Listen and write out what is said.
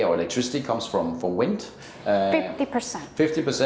atau elektrisnya datang dari udara